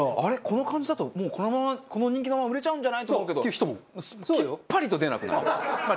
この感じだともうこのままこの人気のまま売れちゃうんじゃない？と思うけど。